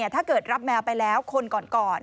ถ้าเกิดรับแมวไปแล้วคนก่อน